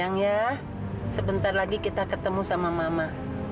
ayah sebentar lagi kita ketemu sama mama